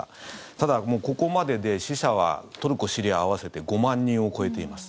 ただもう、ここまでで死者はトルコ、シリア合わせて５万人を超えています。